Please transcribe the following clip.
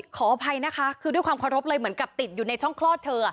ขออภัยนะคะคือด้วยความเคารพเลยเหมือนกับติดอยู่ในช่องคลอดเธอ